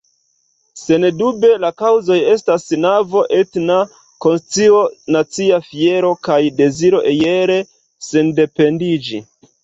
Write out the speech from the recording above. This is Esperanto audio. Sendube la kaŭzoj estas nova etna konscio, nacia fiero kaj deziro iel sendependiĝi.